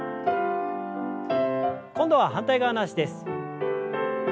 今度は反対側の脚です。